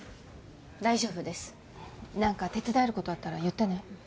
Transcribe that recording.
大丈夫です何か手伝えることあったら言ってね